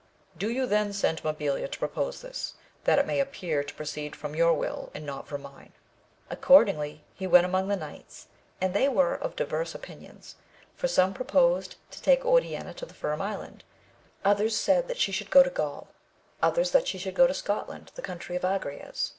Do you then send Mabilia to propose this, that it may appear to proceed from your will and not from mine. Accord ingly he went among the knights, and they were of divers opinions, for some proposed to take Oriana to the Firm Island, others that she should go to Gaul, others that she should go to Scotland, the country of Agrayes.